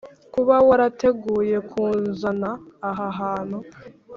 kuba warateguye kunzana aha hantu